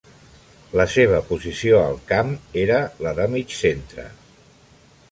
La seva posició al camp era la de mig centre.